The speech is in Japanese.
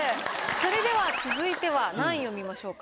それでは続いては何位を見ましょうか？